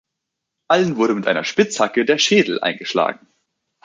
Allen wurde mit einer Spitzhacke der Schädel eingeschlagen.